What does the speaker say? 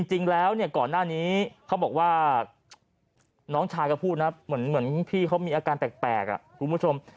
จริงแล้วเนี่ยก่อนหน้านี้เขาบอกว่าน้องชายก็พูดนะเหมือนพี่เขามีอาการแปลกคุณผู้ชม